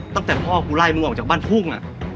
ตั้งแต่พ่อกูไล่มึงออกจากบ้านพุ่ง